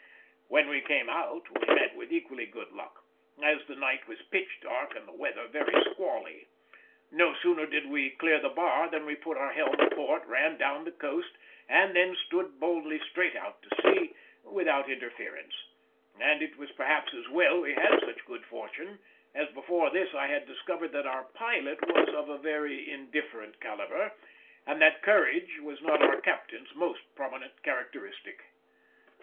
When we came out we met with equally good luck, as the night was pitch dark and the weather very squally. No sooner did we clear the bar than we put our helm aport, ran down the coast, and then stood boldly straight out to sea without interference: and it was perhaps as well we had such good fortune, as before this I had discovered that our pilot was of a very indifferent calibre, and that courage was not our captain's most prominent characteristic.